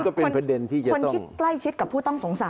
คือหน้าคิดนะคือคุณคิดใกล้ชิดกับผู้ต้องสงสัย